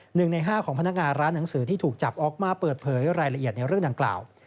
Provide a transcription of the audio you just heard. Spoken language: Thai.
หนึ่งในห้าของพนักงานร้านหนังสือที่ถูกจับออกมาเปิดเผยรายละเอียดในเรื่องดังกล่าว